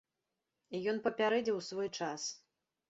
І ён папярэдзіў у свой час.